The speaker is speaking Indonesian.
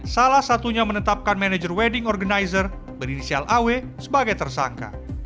salah satunya menetapkan manajer wedding organizer berinisial aw sebagai tersangka